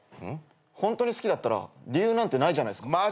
ホントに好きだったら理由なんてないじゃないすか。